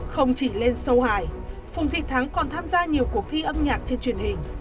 không chỉ lên sâu hải phùng thị thắng còn tham gia nhiều cuộc thi âm nhạc trên truyền hình